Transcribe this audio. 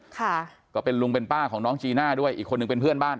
ค่ะก็เป็นลุงเป็นป้าของน้องจีน่าด้วยอีกคนหนึ่งเป็นเพื่อนบ้าน